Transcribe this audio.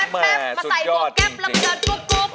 มาใส่หัวแก๊บลำยองกุบ